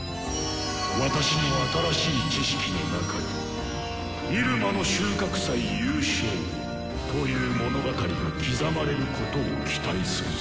私の新しい知識の中に「イルマの収穫祭優勝」という物語が刻まれることを期待するぞ。